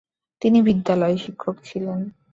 তিনি বিদ্যালয় শিক্ষক ছিলেন।